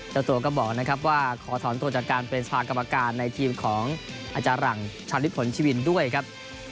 เจ้าตัวก็บอกนะครับว่าขอถอนตัวจากการเป็นสภากรรมการในทีมของอาจารย์หลังชาลิดผลชีวินด้วยครับ